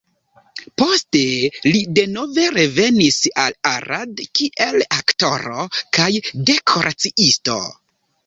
Poste li denove revenis al Arad kiel aktoro kaj dekoraciisto.